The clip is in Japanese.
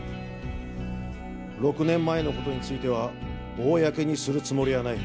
６年前の事については公にするつもりはない。